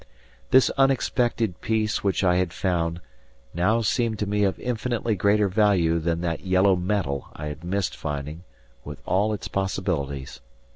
This unexpected peace which I had found now seemed to me of infinitely greater value than that yellow metal I had missed finding, with all its possibilities.